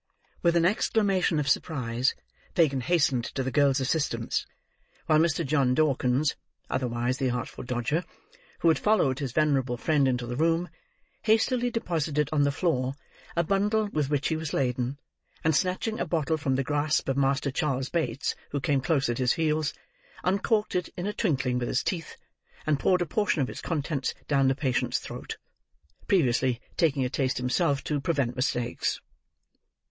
With an exclamation of surprise, Fagin hastened to the girl's assistance, while Mr. John Dawkins (otherwise the Artful Dodger), who had followed his venerable friend into the room, hastily deposited on the floor a bundle with which he was laden; and snatching a bottle from the grasp of Master Charles Bates who came close at his heels, uncorked it in a twinkling with his teeth, and poured a portion of its contents down the patient's throat: previously taking a taste, himself, to prevent mistakes.